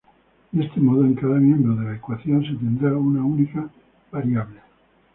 De este modo, en cada miembro de la ecuación se tendrá una única variable.